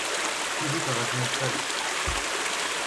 Plijout a ra din kalz.